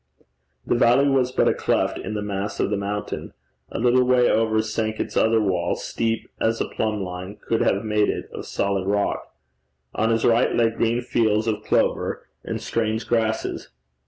The valley was but a cleft in the mass of the mountain: a little way over sank its other wall, steep as a plumb line could have made it, of solid rock. On his right lay green fields of clover and strange grasses.